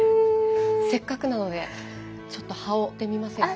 せっかくなのでちょっと羽織ってみませんか？